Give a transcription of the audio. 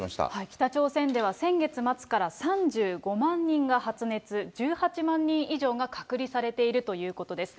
北朝鮮では先月末から３５万人が発熱、１８万人以上が隔離されているということです。